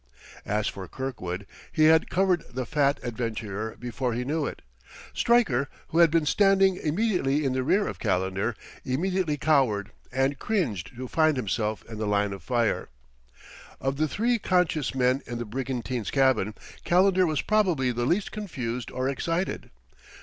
As for Kirkwood, he had covered the fat adventurer before he knew it. Stryker, who had been standing immediately in the rear of Calendar, immediately cowered and cringed to find himself in the line of fire. Of the three conscious men in the brigantine's cabin, Calendar was probably the least confused or excited.